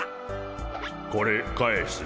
これ返すモ。